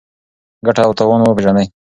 ګټه او تاوان وپېژنئ.